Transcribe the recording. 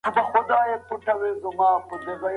که په پوهنه پانګونه ونه سي ټولنه به وروسته پاته سي.